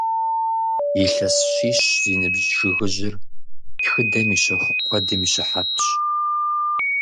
Илъэс щищ зи ныбжь жыгыжьыр тхыдэм и щэху куэдым и щыхьэтщ.